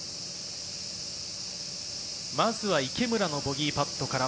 まずは池村のボギーパットから。